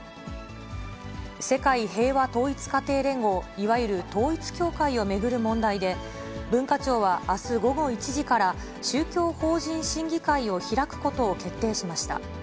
世界平和統一家庭連合、いわゆる統一教会を巡る問題で、文化庁はあす午後１時から、宗教法人審議会を開くことを決定しました。